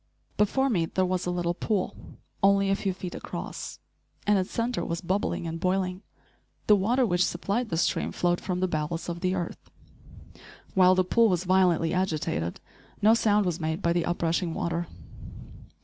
Before me there was a little pool, only a few feet across, and its centre was bubbling and boiling. The water which supplied the stream flowed from the bowels of the earth. While the pool was violently agitated, no sound was made by the up rushing water.